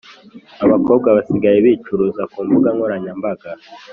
Abakobwa basigaye bicuruza kumbuga nkoranya mbaga